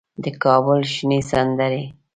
د کابل شنې سندرې